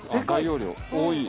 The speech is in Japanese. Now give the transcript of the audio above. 多い。